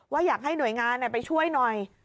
ว่าอยากให้หน่วยงานไปช่วยหน่อย